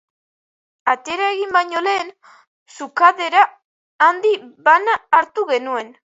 Atera egin baino lehen, xukadera handi bana hartu genuen.